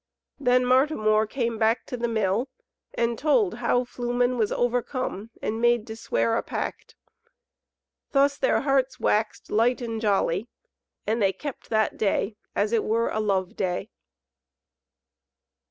Then Martimor came back to the Mill, and told how Flumen was overcome and made to swear a pact. Thus their hearts waxed light and jolly, and they kept that day as it were a love day.